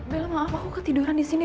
belah maaf aku ketiduran disini